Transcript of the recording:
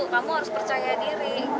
kamu harus percaya diri